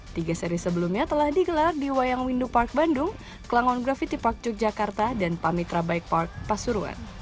tiga seri sebelumnya telah digelar di wayang windu park bandung kelangon gravity park yogyakarta dan pamitra bike park pasuruan